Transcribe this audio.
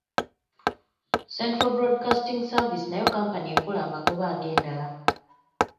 Central Broadcasting Service nayo kampuni ekola magoba ng’endala.